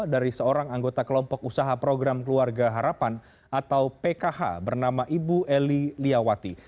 dari seorang anggota kelompok usaha program keluarga harapan atau pkh bernama ibu eli liawati